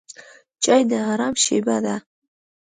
چای د آرام شېبه ده.